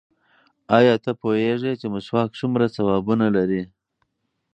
ایا ته پوهېږې چې مسواک څومره ثوابونه لري؟